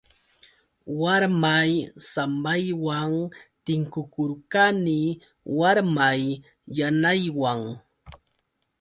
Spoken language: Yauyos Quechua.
Warmay sambaywan tinkukurqani warmay yanaywan.